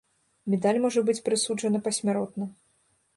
Медаль можа быць прысуджана пасмяротна.